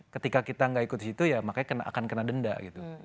ketika kita nggak ikut situ ya makanya akan kena denda gitu